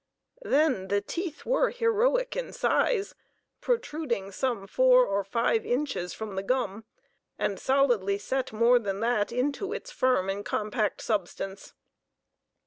Then the teeth were heroic in size, protruding some four or five inches from the gum, and solidly set more than that into its firm and compact substance.